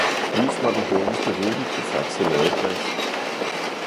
Vis mig den hurtigste rute til Faxe Ladeplads